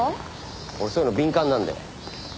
俺そういうの敏感なんで。